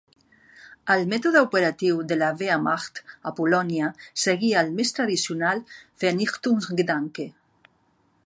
El mètode operatiu de la Wehrmacht a Polònia seguia el més tradicional "Vernichtungsgedanke".